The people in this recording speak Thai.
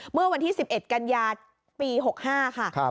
เมื่อวันที่๑๑กันยาปี๖๕ค่ะ